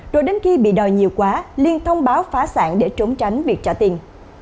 rồi đến khi bị đòi nhiều quá liên thông báo phá sản để trốn tránh việc trả tiền